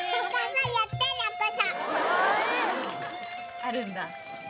あるんだ。